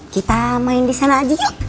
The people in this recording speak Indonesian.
kita main disana aja yuk